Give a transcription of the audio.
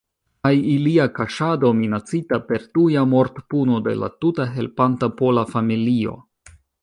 Kaj ilia kaŝado minacita per tuja mortpuno de la tuta helpanta pola familio.